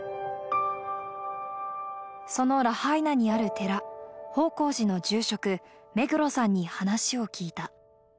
そのラハイナにある寺、法光寺の住職、目黒さんに話を聞いた。